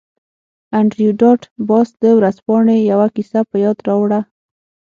انډریو ډاټ باس د ورځپاڼې یوه کیسه په یاد راوړه